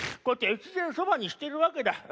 「こうやって越前そばにしてるわけだ。